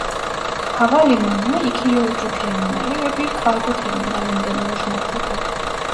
Havalimanı iki yolcu terminali ve bir kargo terminalinden oluşmaktadır.